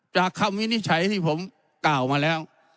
คำวินิจฉัยที่ผมกล่าวมาแล้ว